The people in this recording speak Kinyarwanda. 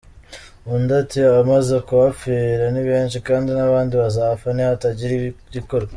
Undi ati “Abamaze kuhapfira ni benshi kandi n’abandi bazapfa nihatagira igikorwa.